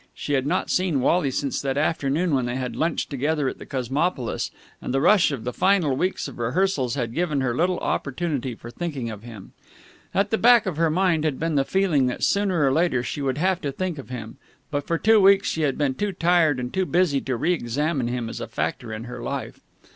She had not seen Wally since that afternoon when they had lunched together at the Cosmopolis, and the rush of the final weeks of rehearsals had given her little opportunity for thinking of him. At the back of her mind had been the feeling that sooner or later she would have to think of him, but for two weeks she had been too tired and too busy to re examine him as a factor in her life.